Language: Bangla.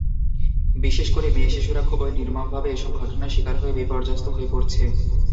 বিশেষ করে মেয়েশিশুরা খুবই নির্মমভাবে এসব ঘটনার শিকার হয়ে বিপর্যস্ত হয়ে পড়ছে।